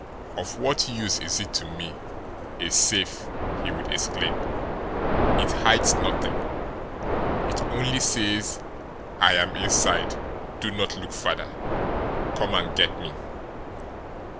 "Of what use is it to me, a safe!" he would exclaim. "It hides nothing; it only says, 'I am inside; do not look farther; come and get me!'